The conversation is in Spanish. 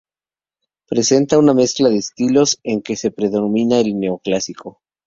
Presenta una mezcla de estilos en que predomina el neoclásico.